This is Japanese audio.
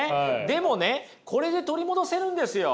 でもねこれで取り戻せるんですよ。